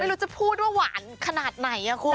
ไม่รู้จะพูดว่าหวานขนาดไหนคุณ